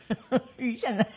いいじゃない。